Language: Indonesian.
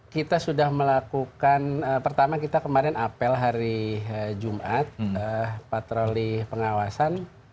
kita sudah melakukan pertama kita kemarin apel hari jumat patroli pengawasan